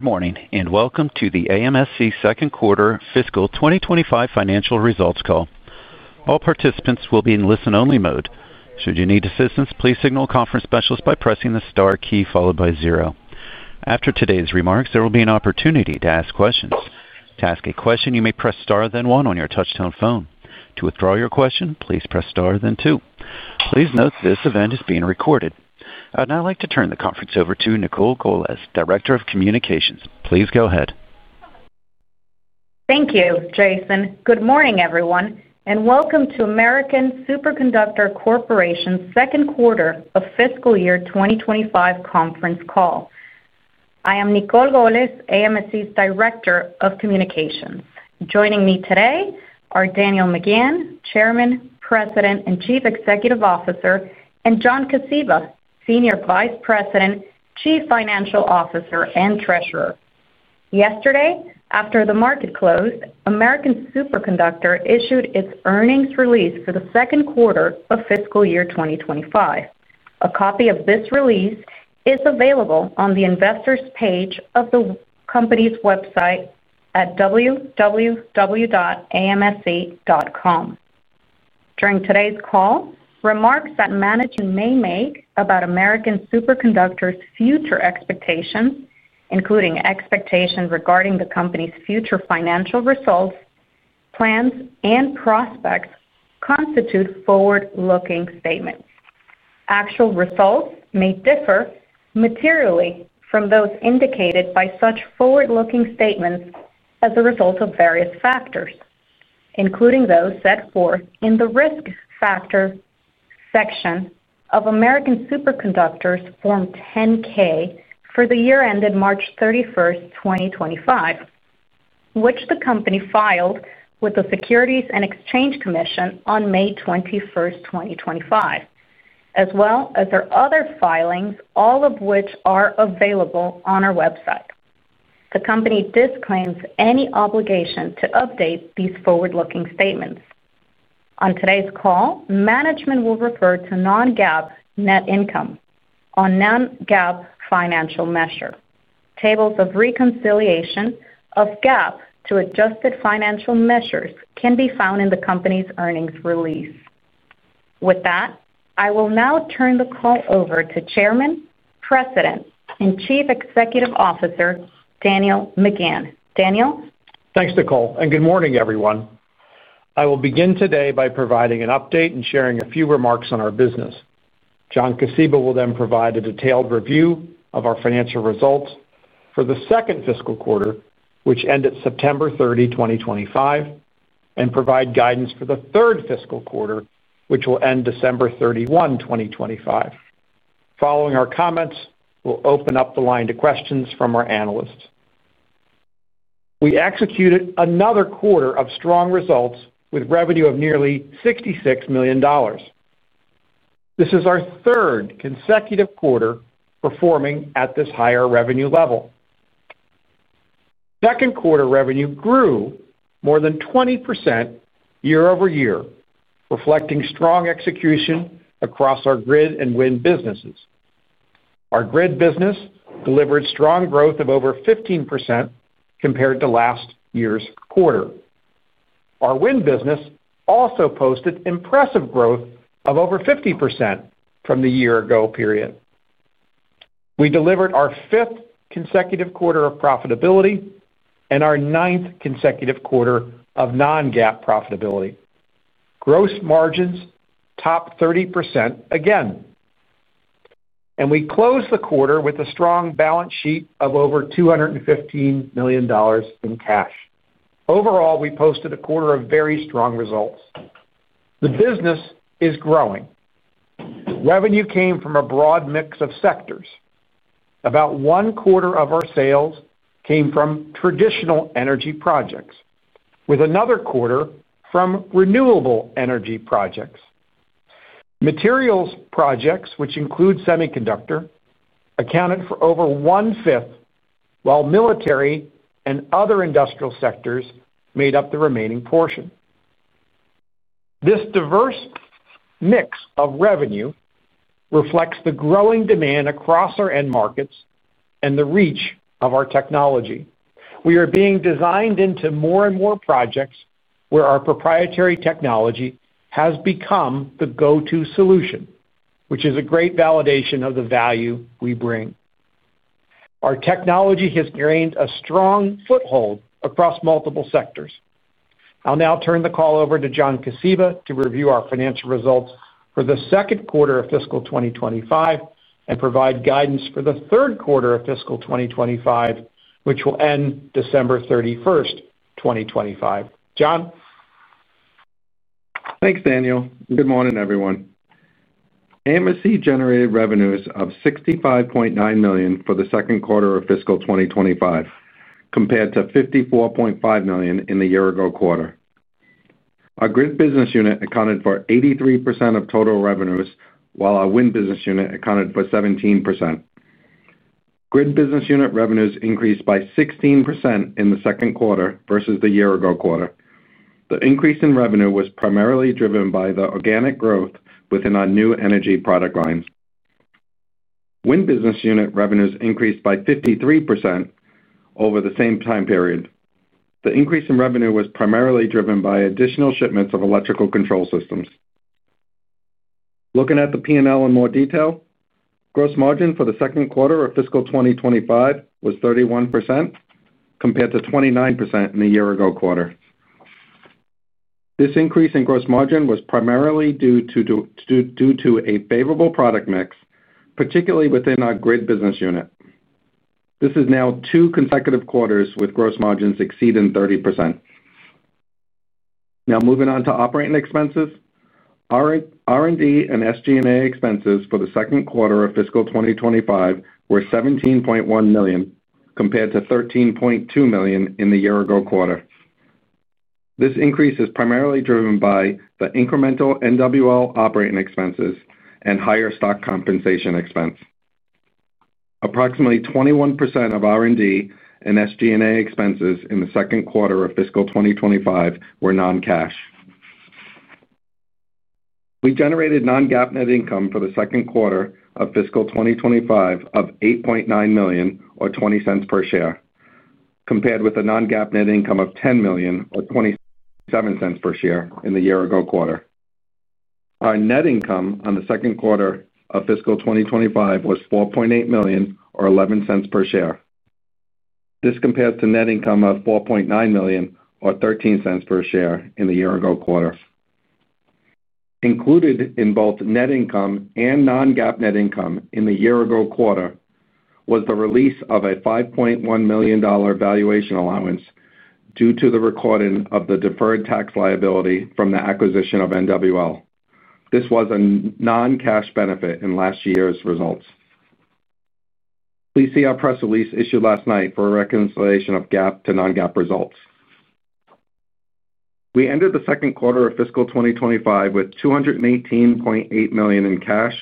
Good morning and welcome to the AMSC Second Quarter Fiscal 2025 Financial Results Call. All participants will be in listen-only mode. Should you need assistance, please signal a conference specialist by pressing the star key followed by zero. After today's remarks, there will be an opportunity to ask questions. To ask a question, you may press star then one on your touch-tone phone. To withdraw your question, please press star then two. Please note this event is being recorded. I'd now like to turn the conference over to Nicole Golez, Director of Communications. Please go ahead. Thank you, Jason. Good morning, everyone, and welcome to American Superconductor Corporation's Second Quarter of Fiscal Year 2025 Conference Call. I am Nicole Golez, AMSC's Director of Communications. Joining me today are Daniel McGahn, Chairman, President and Chief Executive Officer, and John Kosiba, Senior Vice President, Chief Financial Officer, and Treasurer. Yesterday, after the market closed, American Superconductor issued its earnings release for the second quarter of fiscal year 2025. A copy of this release is available on the investors' page of the company's website at www.amsc.com. During today's call, remarks that management may make about American Superconductor's future expectations, including expectations regarding the company's future financial results, plans, and prospects, constitute forward-looking statements. Actual results may differ materially from those indicated by such forward-looking statements as a result of various factors, including those set forth in the risk factor. Section of American Superconductor's Form 10-K for the year ended March 31, 2025, which the company filed with the Securities and Exchange Commission on May 21, 2025, as well as their other filings, all of which are available on our website. The company disclaims any obligation to update these forward-looking statements. On today's call, management will refer to non-GAAP net income, a non-GAAP financial measure. Tables of reconciliation of GAAP to adjusted financial measures can be found in the company's earnings release. With that, I will now turn the call over to Chairman, President, and Chief Executive Officer, Daniel McGahn. Daniel. Thanks, Nicole, and good morning, everyone. I will begin today by providing an update and sharing a few remarks on our business. John Kosiba will then provide a detailed review of our financial results for the second fiscal quarter, which ended September 30, 2025. He will provide guidance for the third fiscal quarter, which will end December 31, 2025. Following our comments, we'll open up the line to questions from our analysts. We executed another quarter of strong results with revenue of nearly $66 million. This is our third consecutive quarter performing at this higher revenue level. Second quarter revenue grew more than 20% year over year, reflecting strong execution across our grid and wind businesses. Our grid business delivered strong growth of over 15% compared to last year's quarter. Our wind business also posted impressive growth of over 50% from the year-ago period. We delivered our fifth consecutive quarter of profitability and our ninth consecutive quarter of non-GAAP profitability. Gross margins topped 30% again. We closed the quarter with a strong balance sheet of over $215 million in cash. Overall, we posted a quarter of very strong results. The business is growing. Revenue came from a broad mix of sectors. About one quarter of our sales came from traditional energy projects, with another quarter from renewable energy projects. Materials projects, which include semiconductor, accounted for over one fifth, while military and other industrial sectors made up the remaining portion. This diverse mix of revenue reflects the growing demand across our end markets and the reach of our technology. We are being designed into more and more projects where our proprietary technology has become the go-to solution, which is a great validation of the value we bring. Our technology has gained a strong foothold across multiple sectors. I'll now turn the call over to John Kosiba to review our financial results for the second quarter of fiscal 2025 and provide guidance for the third quarter of fiscal 2025, which will end December 31, 2025. John. Thanks, Daniel. Good morning, everyone. AMSC generated revenues of $65.9 million for the second quarter of fiscal 2025, compared to $54.5 million in the year-ago quarter. Our grid business unit accounted for 83% of total revenues, while our wind business unit accounted for 17%. Grid business unit revenues increased by 16% in the second quarter versus the year-ago quarter. The increase in revenue was primarily driven by the organic growth within our new energy product lines. Wind business unit revenues increased by 53% over the same time period. The increase in revenue was primarily driven by additional shipments of electrical control systems. Looking at the P&L in more detail, gross margin for the second quarter of fiscal 2025 was 31%, compared to 29% in the year-ago quarter. This increase in gross margin was primarily due to a favorable product mix, particularly within our grid business unit. This is now two consecutive quarters with gross margins exceeding 30%. Now moving on to operating expenses. R&D and SG&A expenses for the second quarter of fiscal 2025 were $17.1 million compared to $13.2 million in the year-ago quarter. This increase is primarily driven by the incremental NWL operating expenses and higher stock compensation expense. Approximately 21% of R&D and SG&A expenses in the second quarter of fiscal 2025 were non-cash. We generated non-GAAP net income for the second quarter of fiscal 2025 of $8.9 million, or $0.20 per share, compared with a non-GAAP net income of $10 million, or $0.27 per share in the year-ago quarter. Our net income on the second quarter of fiscal 2025 was $4.8 million, or $0.11 per share. This compares to net income of $4.9 million, or $0.13 per share in the year-ago quarter. Included in both net income and non-GAAP net income in the year-ago quarter was the release of a $5.1 million valuation allowance due to the recording of the deferred tax liability from the acquisition of NWL. This was a non-cash benefit in last year's results. Please see our press release issued last night for a reconciliation of GAAP to non-GAAP results. We ended the second quarter of fiscal 2025 with $218.8 million in cash,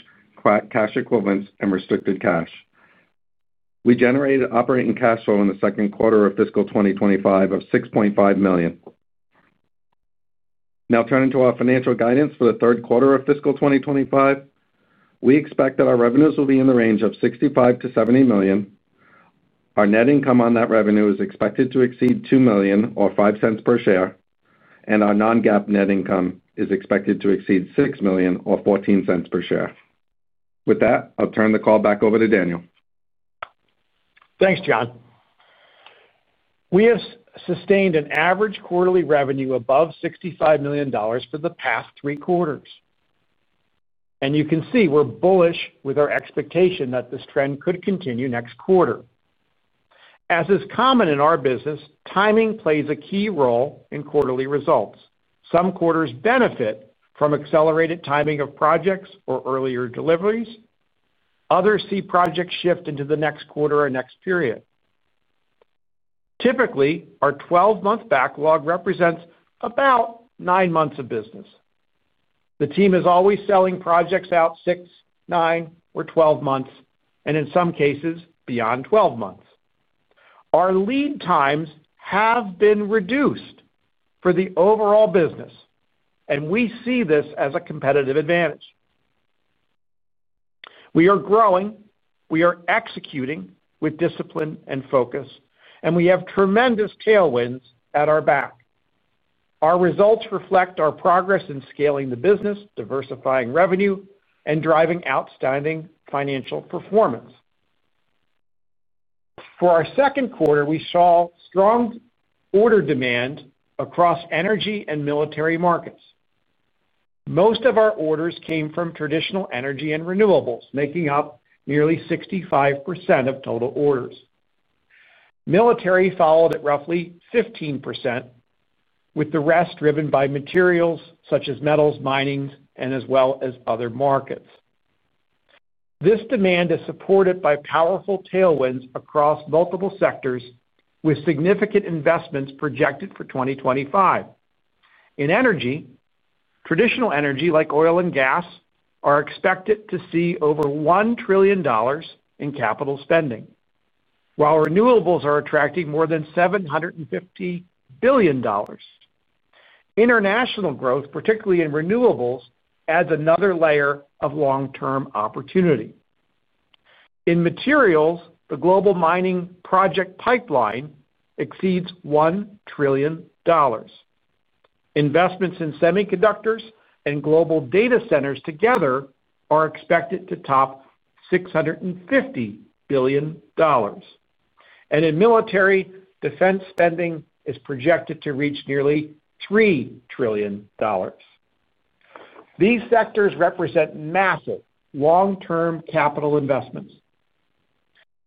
cash equivalents, and restricted cash. We generated operating cash flow in the second quarter of fiscal 2025 of $6.5 million. Now turning to our financial guidance for the third quarter of fiscal 2025. We expect that our revenues will be in the range of $65 million-$70 million. Our net income on that revenue is expected to exceed $2 million, or $0.05 per share, and our non-GAAP net income is expected to exceed $6 million, or $0.14 per share. With that, I'll turn the call back over to Daniel. Thanks, John. We have sustained an average quarterly revenue above $65 million for the past three quarters. You can see we are bullish with our expectation that this trend could continue next quarter. As is common in our business, timing plays a key role in quarterly results. Some quarters benefit from accelerated timing of projects or earlier deliveries. Others see projects shift into the next quarter or next period. Typically, our 12-month backlog represents about nine months of business. The team is always selling projects out six, nine, or 12 months, and in some cases, beyond 12 months. Our lead times have been reduced for the overall business. We see this as a competitive advantage. We are growing. We are executing with discipline and focus, and we have tremendous tailwinds at our back. Our results reflect our progress in scaling the business, diversifying revenue, and driving outstanding financial performance. For our second quarter, we saw strong order demand across energy and military markets. Most of our orders came from traditional energy and renewables, making up nearly 65% of total orders. Military followed at roughly 15%, with the rest driven by materials such as metals, mining, and as well as other markets. This demand is supported by powerful tailwinds across multiple sectors, with significant investments projected for 2025. In energy, traditional energy like oil and gas are expected to see over $1 trillion in capital spending, while renewables are attracting more than $750 billion. International growth, particularly in renewables, adds another layer of long-term opportunity. In materials, the global mining project pipeline exceeds $1 trillion. Investments in semiconductors and global data centers together are expected to top $650 billion. In military, defense spending is projected to reach nearly $3 trillion. These sectors represent massive long-term capital investments.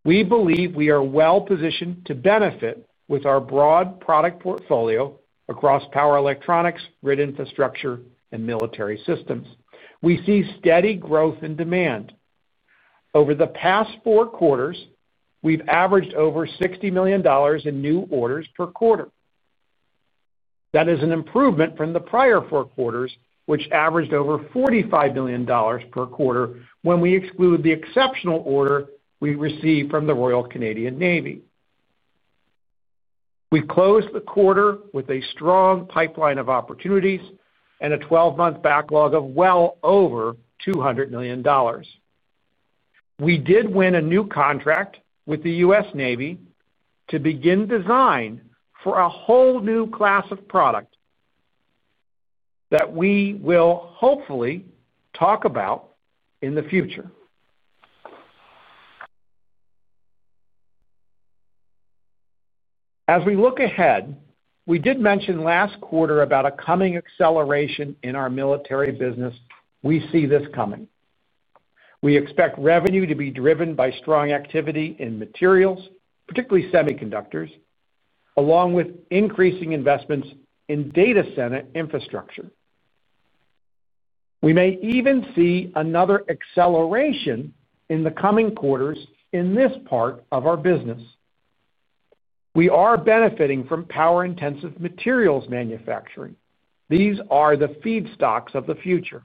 We believe we are well positioned to benefit with our broad product portfolio across power electronics, grid infrastructure, and military systems. We see steady growth in demand. Over the past four quarters, we've averaged over $60 million in new orders per quarter. That is an improvement from the prior four quarters, which averaged over $45 million per quarter when we exclude the exceptional order we received from the Royal Canadian Navy. We closed the quarter with a strong pipeline of opportunities and a 12-month backlog of well over $200 million. We did win a new contract with the U.S. Navy to begin design for a whole new class of product. That we will hopefully talk about in the future. As we look ahead, we did mention last quarter about a coming acceleration in our military business. We see this coming. We expect revenue to be driven by strong activity in materials, particularly semiconductors, along with increasing investments in data center infrastructure. We may even see another acceleration in the coming quarters in this part of our business. We are benefiting from power-intensive materials manufacturing. These are the feedstocks of the future.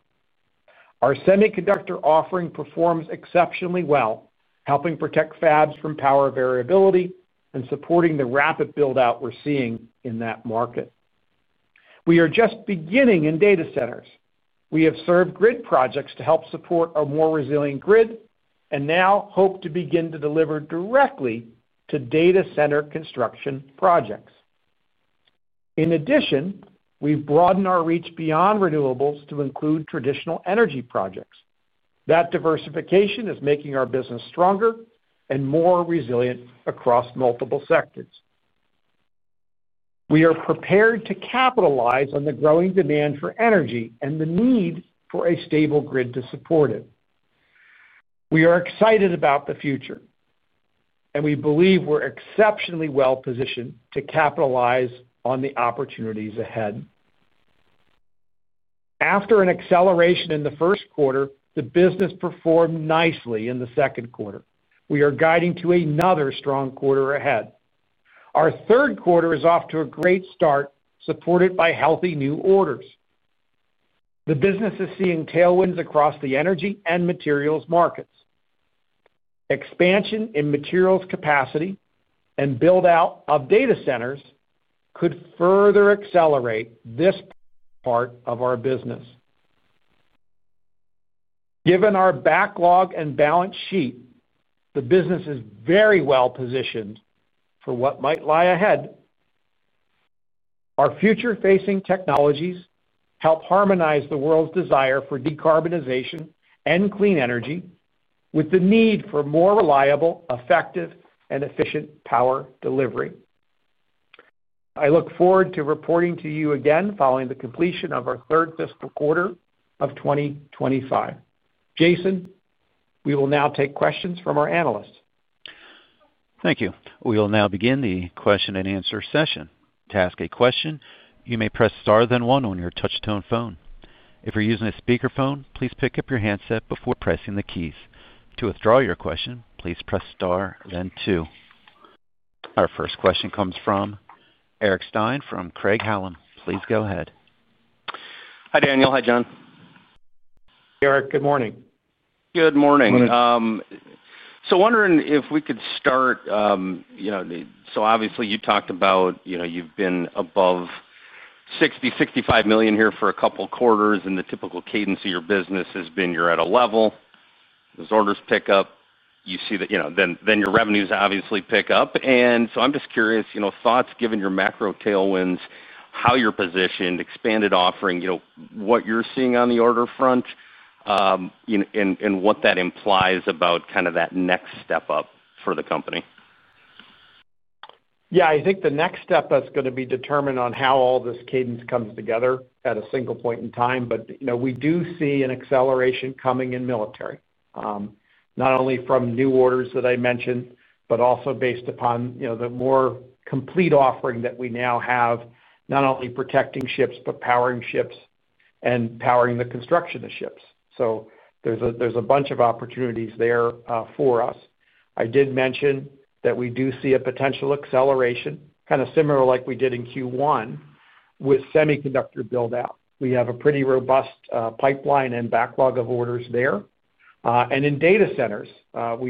Our semiconductor offering performs exceptionally well, helping protect fabs from power variability and supporting the rapid build-out we're seeing in that market. We are just beginning in data centers. We have served grid projects to help support a more resilient grid and now hope to begin to deliver directly to data center construction projects. In addition, we've broadened our reach beyond renewables to include traditional energy projects. That diversification is making our business stronger and more resilient across multiple sectors. We are prepared to capitalize on the growing demand for energy and the need for a stable grid to support it. We are excited about the future. We believe we're exceptionally well positioned to capitalize on the opportunities ahead. After an acceleration in the first quarter, the business performed nicely in the second quarter. We are guiding to another strong quarter ahead. Our third quarter is off to a great start, supported by healthy new orders. The business is seeing tailwinds across the energy and materials markets. Expansion in materials capacity and build-out of data centers could further accelerate this part of our business. Given our backlog and balance sheet, the business is very well positioned for what might lie ahead. Our future-facing technologies help harmonize the world's desire for decarbonization and clean energy with the need for more reliable, effective, and efficient power delivery. I look forward to reporting to you again following the completion of our third fiscal quarter of 2025. Jason, we will now take questions from our analysts. Thank you. We will now begin the question and answer session. To ask a question, you may press star then one on your touch-tone phone. If you're using a speakerphone, please pick up your handset before pressing the keys. To withdraw your question, please press star then two. Our first question comes from Eric Stein from Craig-Hallum Capital Group. Please go ahead. Hi, Daniel. Hi, John. Eric, good morning. Good morning. Good morning. Wondering if we could start. Obviously, you talked about you've been above $60 million-$65 million here for a couple quarters, and the typical cadence of your business has been you're at a level, those orders pick up, you see that, then your revenues obviously pick up. I'm just curious, thoughts, given your macro tailwinds, how you're positioned, expanded offering, what you're seeing on the order front, and what that implies about kind of that next step up for the company. Yeah, I think the next step is going to be determined on how all this cadence comes together at a single point in time. We do see an acceleration coming in military, not only from new orders that I mentioned, but also based upon the more complete offering that we now have, not only protecting ships, but powering ships and powering the construction of ships. There are a bunch of opportunities there for us. I did mention that we do see a potential acceleration, kind of similar like we did in Q1 with semiconductor build-out. We have a pretty robust pipeline and backlog of orders there. In data centers,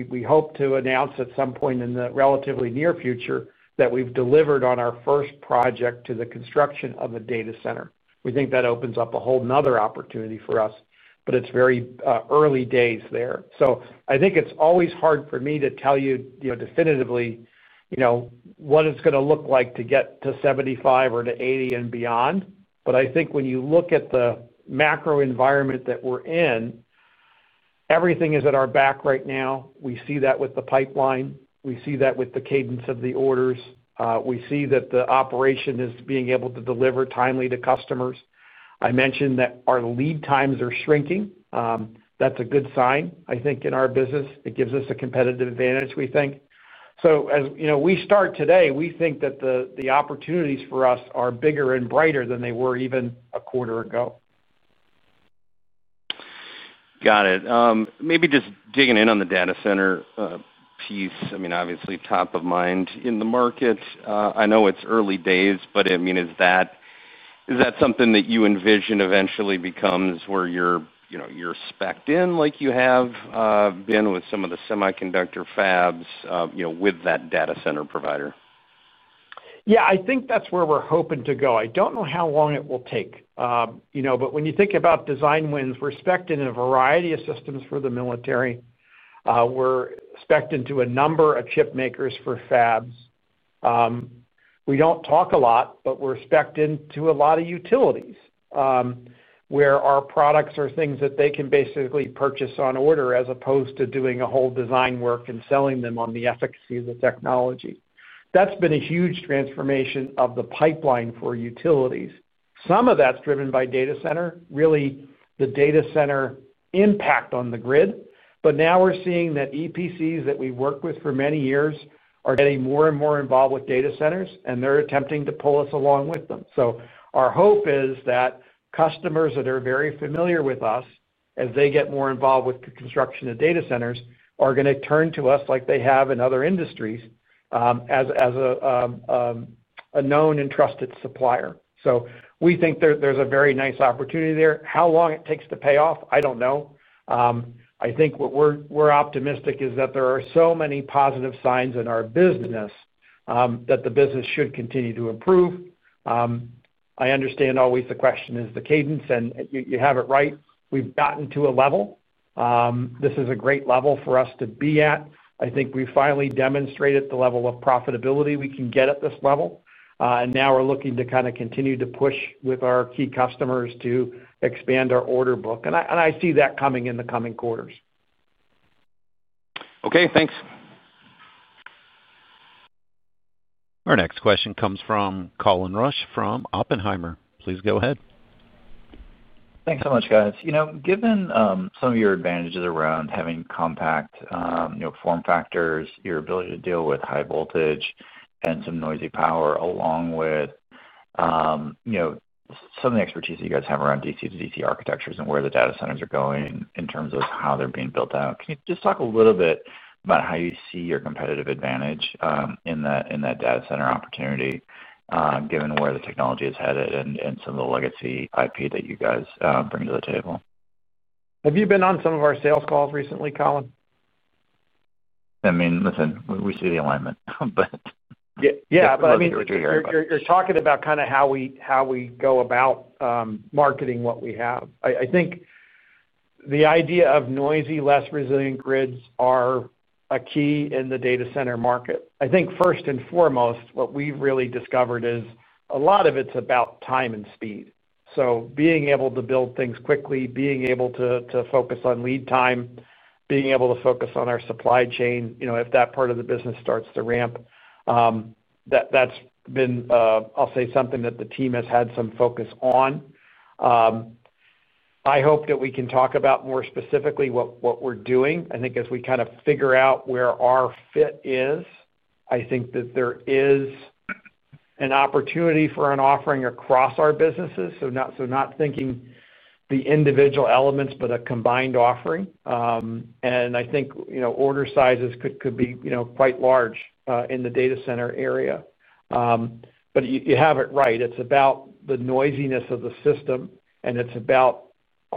we hope to announce at some point in the relatively near future that we have delivered on our first project to the construction of a data center. We think that opens up a whole another opportunity for us, but it's very early days there. I think it's always hard for me to tell you definitively what it's going to look like to get to 75 or to 80 and beyond. I think when you look at the macro environment that we're in, everything is at our back right now. We see that with the pipeline. We see that with the cadence of the orders. We see that the operation is being able to deliver timely to customers. I mentioned that our lead times are shrinking. That's a good sign, I think, in our business. It gives us a competitive advantage, we think. As we start today, we think that the opportunities for us are bigger and brighter than they were even a quarter ago. Got it. Maybe just digging in on the data center piece. I mean, obviously, top of mind in the market. I know it's early days, but I mean, is that something that you envision eventually becomes where you're specked in like you have been with some of the semiconductor fabs with that data center provider? Yeah, I think that's where we're hoping to go. I don't know how long it will take. When you think about design wins, we're specked in a variety of systems for the military. We're specked into a number of chip makers for fabs. We don't talk a lot, but we're specked into a lot of utilities. Where our products are things that they can basically purchase on order as opposed to doing a whole design work and selling them on the efficacy of the technology. That's been a huge transformation of the pipeline for utilities. Some of that's driven by data center. Really, the data center impact on the grid. Now we're seeing that EPCs that we've worked with for many years are getting more and more involved with data centers, and they're attempting to pull us along with them. Our hope is that customers that are very familiar with us, as they get more involved with construction of data centers, are going to turn to us like they have in other industries. As a known and trusted supplier. We think there is a very nice opportunity there. How long it takes to pay off, I do not know. I think what we are optimistic is that there are so many positive signs in our business. The business should continue to improve. I understand always the question is the cadence, and you have it right. We have gotten to a level. This is a great level for us to be at. I think we finally demonstrated the level of profitability we can get at this level. Now we are looking to kind of continue to push with our key customers to expand our order book. I see that coming in the coming quarters. Okay, thanks. Our next question comes from Colin Rusch from Oppenheimer & Co. Please go ahead. Thanks so much, guys. Given some of your advantages around having compact form factors, your ability to deal with high voltage and some noisy power, along with some of the expertise that you guys have around DC to DC architectures and where the data centers are going in terms of how they're being built out, can you just talk a little bit about how you see your competitive advantage in that data center opportunity, given where the technology has headed and some of the legacy IP that you guys bring to the table? Have you been on some of our sales calls recently, Colin? I mean, listen, we see the alignment, but. Yeah, but I mean. What you're hearing from. You're talking about kind of how we go about marketing what we have. I think the idea of noisy, less resilient grids are a key in the data center market. I think first and foremost, what we've really discovered is a lot of it's about time and speed. Being able to build things quickly, being able to focus on lead time, being able to focus on our supply chain, if that part of the business starts to ramp. That's been, I'll say, something that the team has had some focus on. I hope that we can talk about more specifically what we're doing. I think as we kind of figure out where our fit is, I think that there is an opportunity for an offering across our businesses. Not thinking the individual elements, but a combined offering. I think order sizes could be quite large in the data center area. You have it right. It is about the noisiness of the system, and it is about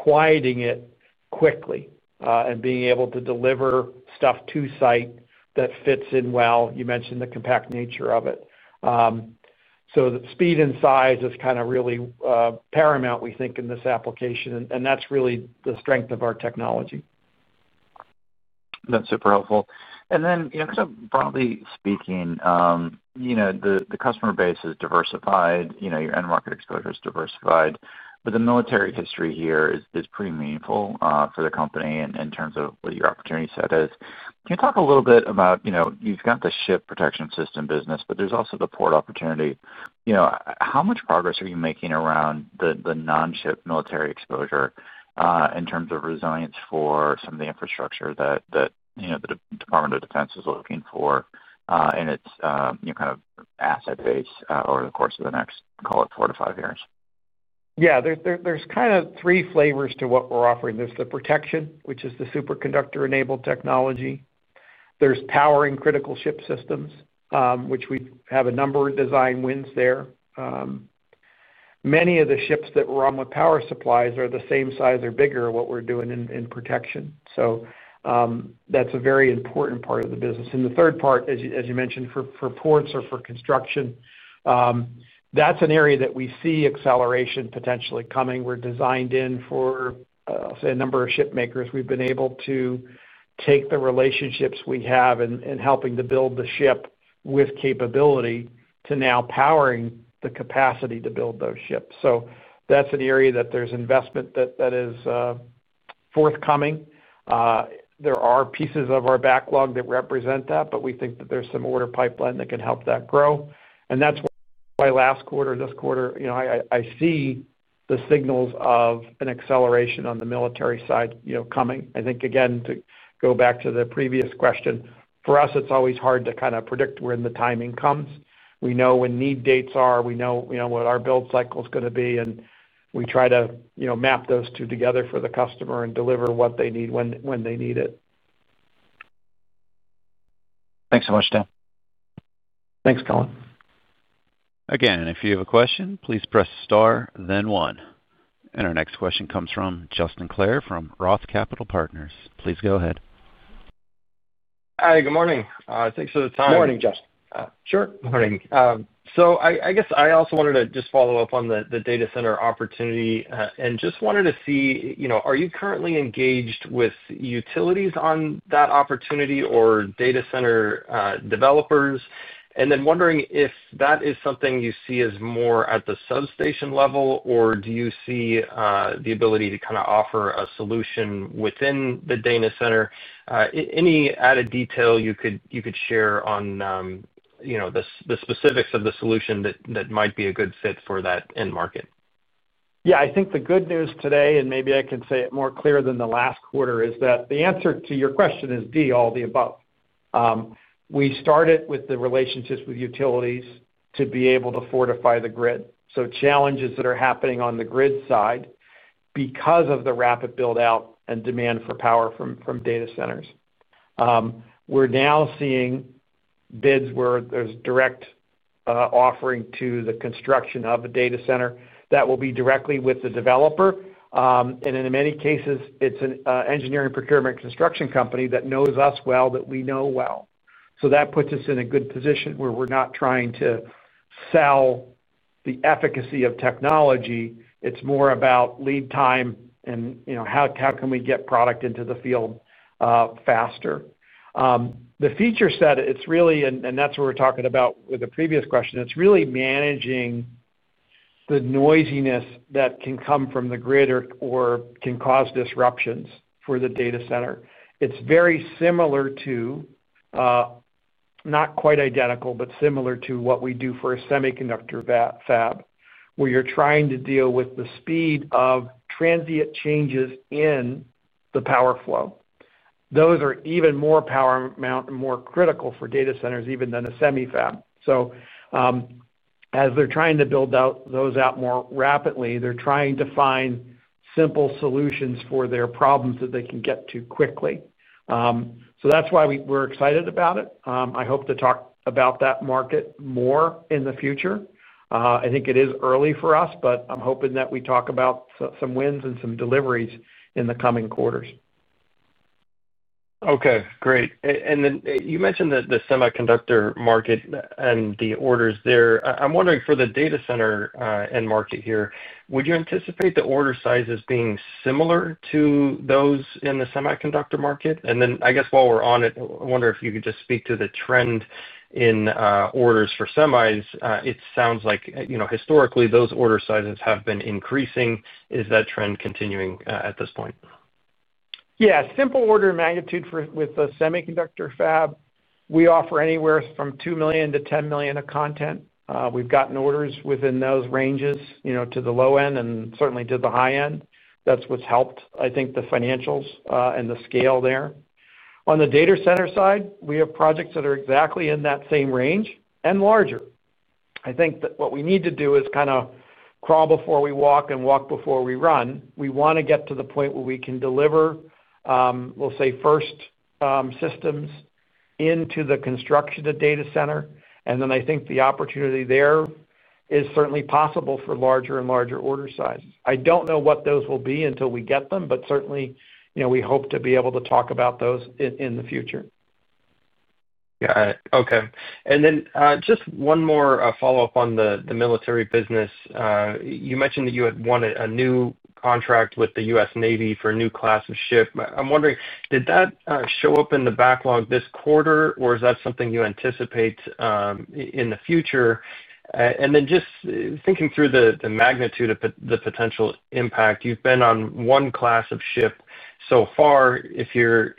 quieting it quickly and being able to deliver stuff to site that fits in well. You mentioned the compact nature of it. The speed and size is kind of really paramount, we think, in this application. That is really the strength of our technology. That's super helpful. Kind of broadly speaking, the customer base is diversified. Your end market exposure is diversified. The military history here is pretty meaningful for the company in terms of what your opportunity set is. Can you talk a little bit about, you've got the ship protection system business, but there's also the port opportunity. How much progress are you making around the non-ship military exposure in terms of resilience for some of the infrastructure that the Department of Defense is looking for and its kind of asset base over the course of the next, call it, four-five years? Yeah, there's kind of three flavors to what we're offering. There's the protection, which is the superconductor-enabled technology. There's power and critical ship systems, which we have a number of design wins there. Many of the ships that we're on with power supplies are the same size or bigger than what we're doing in protection. That is a very important part of the business. The third part, as you mentioned, for ports or for construction, that's an area that we see acceleration potentially coming. We're designed in for, I'll say, a number of ship makers. We've been able to take the relationships we have in helping to build the ship with capability to now powering the capacity to build those ships. That is an area that there's investment that is forthcoming. There are pieces of our backlog that represent that, but we think that there's some order pipeline that can help that grow. That is why last quarter, this quarter, I see the signals of an acceleration on the military side coming. I think, again, to go back to the previous question, for us, it's always hard to kind of predict when the timing comes. We know when need dates are. We know what our build cycle is going to be. We try to map those two together for the customer and deliver what they need when they need it. Thanks so much, john. Thanks, Colin. Again, if you have a question, please press star then one. Our next question comes from Justin Claire from Roth Capital Partners. Please go ahead. Hi, good morning. Thanks for the time. Good morning, Justin. Sure. Morning. I guess I also wanted to just follow up on the data center opportunity and just wanted to see, are you currently engaged with utilities on that opportunity or data center developers? I am wondering if that is something you see as more at the substation level, or do you see the ability to kind of offer a solution within the data center? Any added detail you could share on the specifics of the solution that might be a good fit for that end market? Yeah, I think the good news today, and maybe I can say it more clear than the last quarter, is that the answer to your question is D, all the above. We started with the relationships with utilities to be able to fortify the grid. Challenges that are happening on the grid side. Because of the rapid build-out and demand for power from data centers, we're now seeing bids where there's direct offering to the construction of a data center that will be directly with the developer. In many cases, it's an engineering procurement construction company that knows us well, that we know well. That puts us in a good position where we're not trying to sell the efficacy of technology. It's more about lead time and how can we get product into the field faster. The feature set, it's really, and that's what we're talking about with the previous question, it's really managing the noisiness that can come from the grid or can cause disruptions for the data center. It's very similar to. Not quite identical, but similar to what we do for a semiconductor fab, where you're trying to deal with the speed of transient changes in the power flow. Those are even more power amount and more critical for data centers even than a semi fab. As they're trying to build those out more rapidly, they're trying to find simple solutions for their problems that they can get to quickly. That's why we're excited about it. I hope to talk about that market more in the future. I think it is early for us, but I'm hoping that we talk about some wins and some deliveries in the coming quarters. Okay, great. You mentioned the semiconductor market and the orders there. I'm wondering for the data center end market here, would you anticipate the order sizes being similar to those in the semiconductor market? I guess while we're on it, I wonder if you could just speak to the trend in orders for semis. It sounds like historically those order sizes have been increasing. Is that trend continuing at this point? Yeah, simple order of magnitude with the semiconductor fab, we offer anywhere from $2 million-$10 million of content. We've gotten orders within those ranges to the low end and certainly to the high end. That's what's helped, I think, the financials and the scale there. On the data center side, we have projects that are exactly in that same range and larger. I think that what we need to do is kind of crawl before we walk and walk before we run. We want to get to the point where we can deliver, we'll say, first systems into the construction of data center. And then I think the opportunity there is certainly possible for larger and larger order sizes. I don't know what those will be until we get them, but certainly we hope to be able to talk about those in the future. Got it. Okay. Just one more follow-up on the military business. You mentioned that you had won a new contract with the U.S. Navy for a new class of ship. I'm wondering, did that show up in the backlog this quarter, or is that something you anticipate in the future? Just thinking through the magnitude of the potential impact, you've been on one class of ship so far. If you're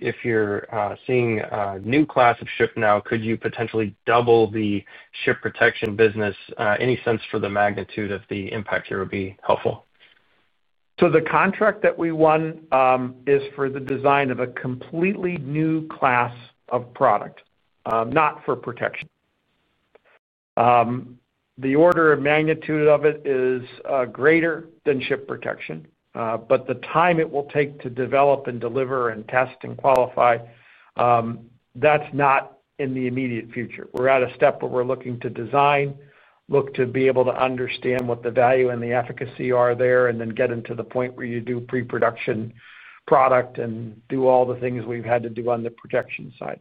seeing a new class of ship now, could you potentially double the ship protection business? Any sense for the magnitude of the impact here would be helpful. The contract that we won is for the design of a completely new class of product, not for protection. The order of magnitude of it is greater than ship protection, but the time it will take to develop and deliver and test and qualify, that's not in the immediate future. We're at a step where we're looking to design, look to be able to understand what the value and the efficacy are there, and then get into the point where you do pre-production product and do all the things we've had to do on the protection side.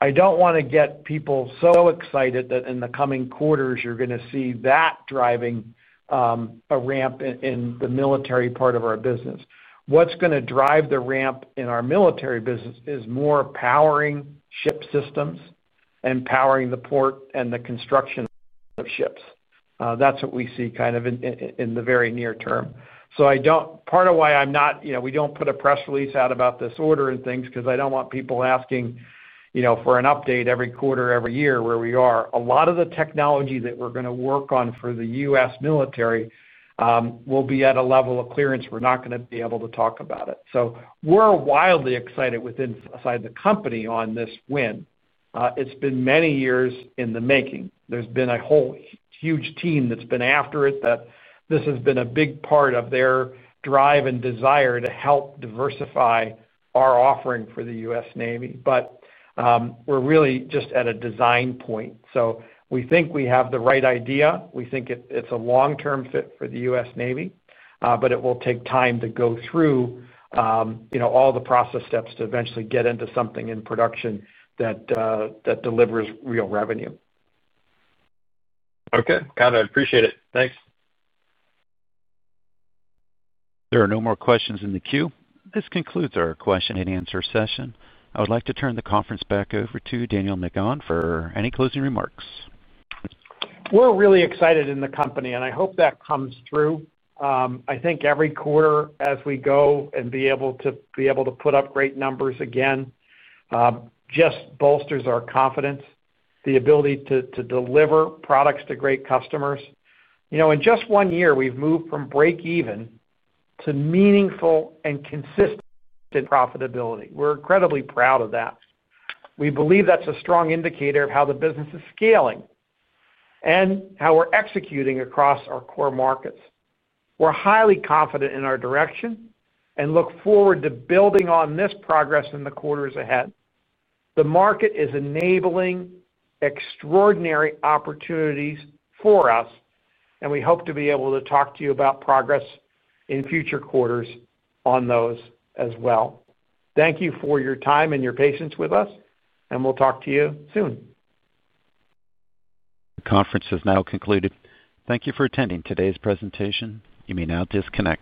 I don't want to get people so excited that in the coming quarters, you're going to see that driving a ramp in the military part of our business. What's going to drive the ramp in our military business is more powering ship systems and powering the port and the construction of ships. That's what we see kind of in the very near term. Part of why I'm not, we don't put a press release out about this order and things is because I don't want people asking for an update every quarter, every year where we are. A lot of the technology that we're going to work on for the U.S. military will be at a level of clearance. We're not going to be able to talk about it. We're wildly excited within the company on this win. It's been many years in the making. There's been a whole huge team that's been after it. This has been a big part of their drive and desire to help diversify our offering for the U.S. Navy. We're really just at a design point. We think we have the right idea. We think it's a long-term fit for the U.S. Navy, but it will take time to go through all the process steps to eventually get into something in production that delivers real revenue. Okay. Got it. Appreciate it. Thanks. There are no more questions in the queue. This concludes our question and answer session. I would like to turn the conference back over to Daniel McGahn for any closing remarks. We're really excited in the company, and I hope that comes through. I think every quarter as we go and be able to put up great numbers again just bolsters our confidence, the ability to deliver products to great customers. In just one year, we've moved from break-even to meaningful and consistent profitability. We're incredibly proud of that. We believe that's a strong indicator of how the business is scaling and how we're executing across our core markets. We're highly confident in our direction and look forward to building on this progress in the quarters ahead. The market is enabling extraordinary opportunities for us. We hope to be able to talk to you about progress in future quarters on those as well. Thank you for your time and your patience with us, and we'll talk to you soon. The conference has now concluded. Thank you for attending today's presentation. You may now disconnect.